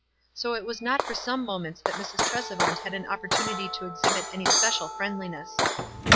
So it was not for some moments that Mrs. Tresevant had an opportu nity to exhibit any special friendliness.